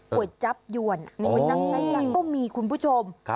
หัวจับหยวนหัวนั่นไหลยังก็มีคุณผู้ชม